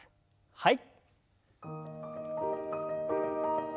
はい。